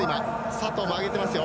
佐藤も上げてますよ。